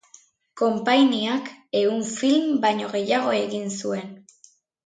Konpainiak ehun film baino gehiago egin zuen.